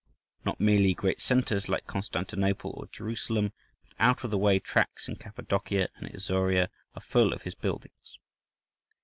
Not merely great centres like Constantinople or Jerusalem, but out of the way tracts in Cappadocia and Isauria, are full of his buildings.